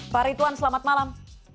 pak rituan selamat malam